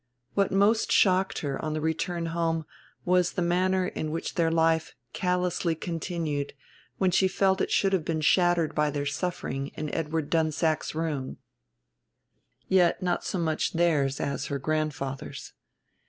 What most shocked her on the return home was the manner in which their life callously continued when she felt it should have been shattered by their suffering in Edward Dunsack's room; yet not so much theirs as her grandfather's.